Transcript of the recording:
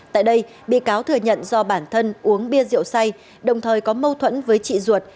tại đây bị cáo thừa nhận do bản thân uống bia rượu say đồng thời có mâu thuẫn với chị ruột